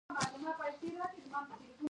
د نویو سوداګانو لپاره دلالۍ ته چمتو دي.